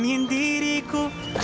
lo bantu niel